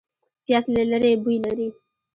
پیاز له لرې بوی لري